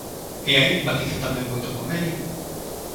E aí empatizo tamén moito con Meri.